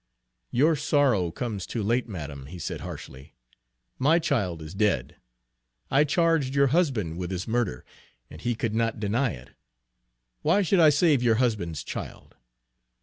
"Your sorrow comes too late, madam," he said harshly. "My child is dead. I charged your husband with his murder, and he could not deny it. Why should I save your husband's child?"